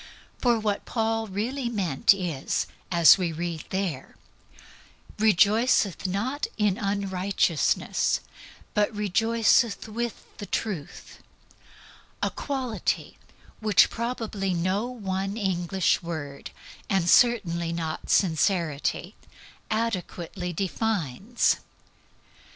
For what Paul really meant is, as we there read, "Rejoiceth not in unrighteousness, but rejoiceth with the truth," a quality which probably no one English word and certainly not Sincerity adequately defines.